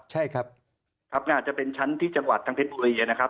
ใช่ครับครับอาจจะเป็นชั้นที่จังหวัดทางเพชรบุรีนะครับ